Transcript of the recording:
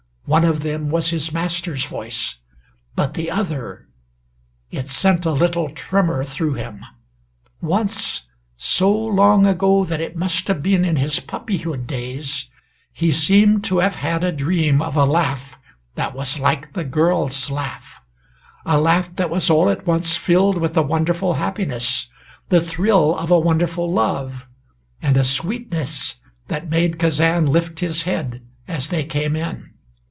One of them was his master's voice. But the other it sent a little tremor through him! Once, so long ago that it must have been in his puppyhood days, he seemed to have had a dream of a laugh that was like the girl's laugh a laugh that was all at once filled with a wonderful happiness, the thrill of a wonderful love, and a sweetness that made Kazan lift his head as they came in.